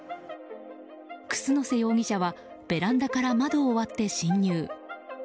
楠瀬容疑者はベランダから窓を割って侵入。